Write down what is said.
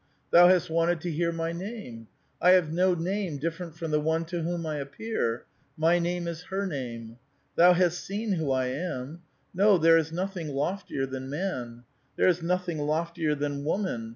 Thou hast wanted to hear my name ; I have no name different from the one to whom I appear ; my name is her name. Thou hast seen who I am. No, there is nothing loftier than man ; there is nothing loftier than woman.